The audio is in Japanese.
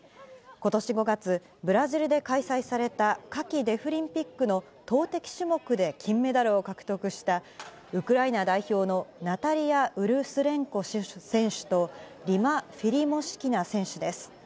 ことし５月、ブラジルで開催された夏季デフリンピックの投てき種目で金メダルを獲得した、ウクライナ代表のナタリア・ウルスレンコ選手と、リマ・フィリモシキナ選手です。